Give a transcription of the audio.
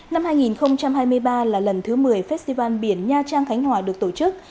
năm hai nghìn hai mươi ba là lần thứ một mươi festival biển nha trang khánh hòa được tổ chức